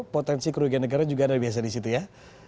potensi kerugian negara juga ada biasa di situ ya